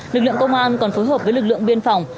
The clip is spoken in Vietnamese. lực lượng công an còn phối hợp với lực lượng biên phòng